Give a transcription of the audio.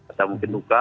atau mungkin luka